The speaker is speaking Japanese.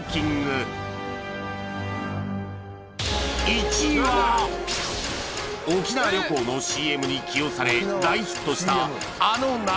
１位は沖縄旅行の ＣＭ に起用され大ヒットしたあの夏うた